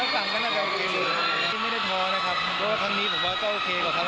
คุณคุณแฟนคลับคุณสำคัญนะครับ